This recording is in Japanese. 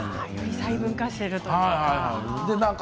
細分化しているというか。